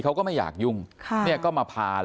เขาก็ไม่อยากยุ่งก็มาพาแล้วก็ไล่เผาก็เลย